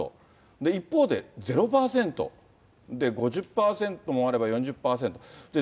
一方で０％、５０％もあれば、４０％も。